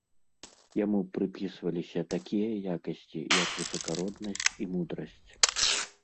Яму прыпісваліся такія якасці, як высакароднасць і мудрасць.